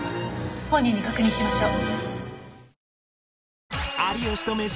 本人に確認しましょう。